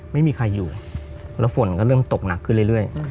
ไม่มีใครอยู่แล้วฝนก็เริ่มตกหนักขึ้นเรื่อย